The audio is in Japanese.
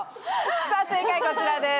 さぁ正解こちらです。